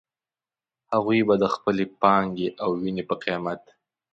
هغوی به د خپلې پانګې او وينې په قيمت.